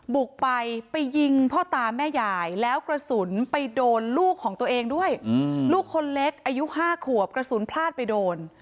บุกไปไปยิงพ่อตาแม่ยายแล้วกระสุนไปโดนลูกของตัวเองด้วยลูกคนเล็กอายุ๕ขวบกระสุนพลาดไปโดน